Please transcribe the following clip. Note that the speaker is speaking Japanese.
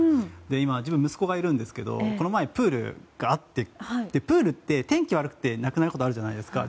今、自分は息子がいるんですけどこの前、プールがあってプールって天気が悪くてなくなることはあるじゃないですか。